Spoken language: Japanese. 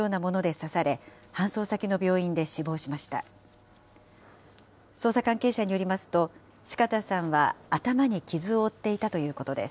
捜査関係者によりますと、四方さんは頭に傷を負っていたということです。